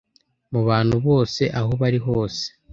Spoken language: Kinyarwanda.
Mu bantu bose aho bari hose